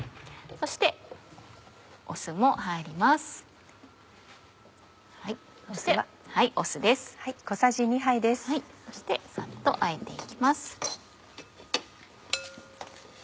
そしてサッとあえて行きます。